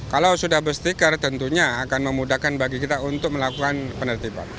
kalau sudah berstiker tentunya akan memudahkan bagi kita untuk melakukan penertiban